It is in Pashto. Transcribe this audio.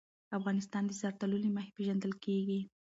افغانستان د زردالو له مخې پېژندل کېږي.